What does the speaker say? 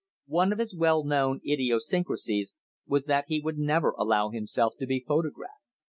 One of his well known idiosyncrasies was that he would never allow himself to be photographed.